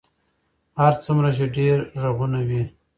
هر څومره چې ډېر غږونه وي.